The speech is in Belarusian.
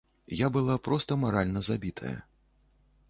Я была проста маральна забітая.